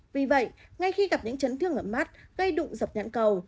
vì vậy ngay khi gặp những chấn thương ở mắt gây đụng dập nhãn cầu